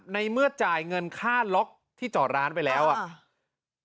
ในเมื่อจ่ายเงินค่าล็อกที่จอดร้านไปแล้วอ่ะ